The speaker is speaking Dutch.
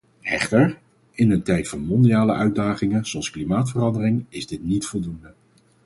Echter, in een tijd van mondiale uitdagingen zoals klimaatverandering is dit niet voldoende.